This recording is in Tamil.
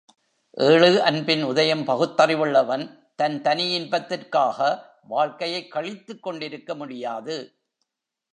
ஏழு அன்பின் உதயம் பகுத்தறிவுள்ளவன் தன் தனி இன்பத்திற்காக வாழ்க்கையைக் கழித்து கொண்டிருக்க முடியாது.